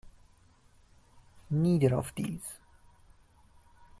Neither of these.